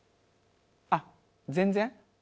あっ全然？